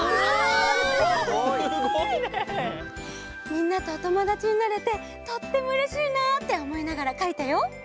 みんなとおともだちになれてとってもうれしいなっておもいながらかいたよ。